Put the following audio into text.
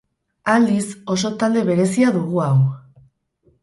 Aldiz, oso talde berezia dugu hau.